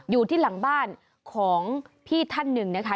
อยู่ที่หลังบ้านของพี่ท่านหนึ่งนะคะ